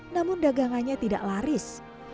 namun dagangannya tidak laris